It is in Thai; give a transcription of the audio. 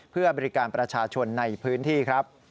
เพื่อบริการประชาชนในพื้นที่ครับ